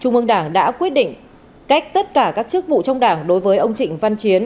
trung ương đảng đã quyết định cách tất cả các chức vụ trong đảng đối với ông trịnh văn chiến